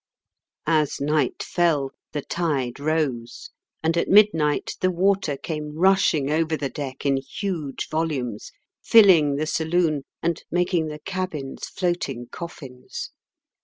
As night fell the tide rose, and at midnight the water came rushing over the deck in huge volumes, filling the saloon, and making the cabins floating coffins.